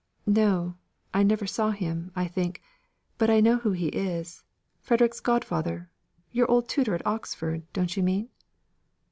"No; I never saw him, I think. But I know who he is. Frederick's godfather your old tutor at Oxford, don't you mean?"